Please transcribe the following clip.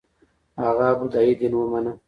هغه بودايي دین ومانه